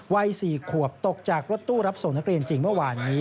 วัย๔ขวบตกจากรถตู้รับส่งนักเรียนจริงเมื่อวานนี้